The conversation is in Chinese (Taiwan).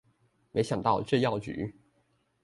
沒想到這藥局